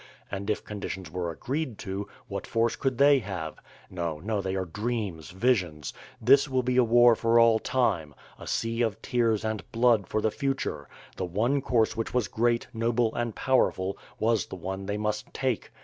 And if conditions were agreed to, what force could they have? No, no, they are dreams, visions, this will be a war for all time, a sea of tears and blood for the future — ^the one course which was great, noble, and powerful, was the one they must take.